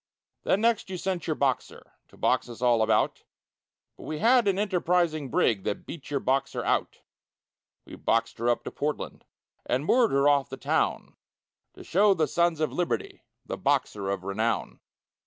Then next you sent your Boxer, To box us all about, But we had an Enterprising brig That beat your Boxer out; We boxed her up to Portland, And moored her off the town, To show the sons of liberty The Boxer of renown.